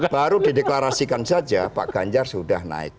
baru dideklarasikan saja pak ganjar sudah naik